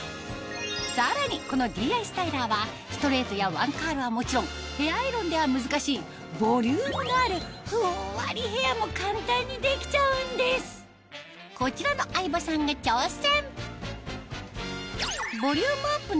さらにこのＤｉＳＴＹＬＥＲはストレートやワンカールはもちろんヘアアイロンでは難しいボリュームのあるふんわりヘアも簡単にできちゃうんですこちらの相葉さんが挑戦！